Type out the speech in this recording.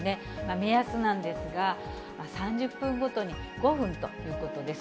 目安なんですが、３０分ごとに５分ということです。